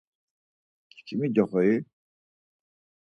Çkimi coxoi?